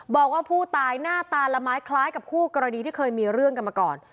บอกว่าผู้ตายหน้าตาละไม้คล้ายกับคู่กรณีที่เคยมีเรื่องกันมาก่อน